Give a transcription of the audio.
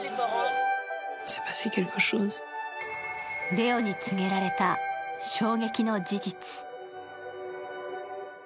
レオに告げられた衝撃の事実。